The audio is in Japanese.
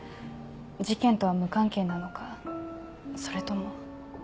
事件とは無関係なのかそれとも。